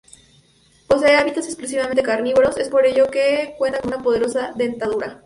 Poseen hábitos exclusivamente carnívoros, es por ello que cuentan con una poderosa dentadura.